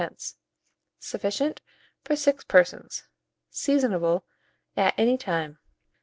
Sufficient for 6 persons. Seasonable at any time.